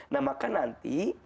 nah maka nanti